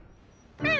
うん。